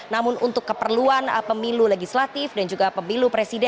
namun untuk keperluan pemilu legislatif dan juga pemilu presiden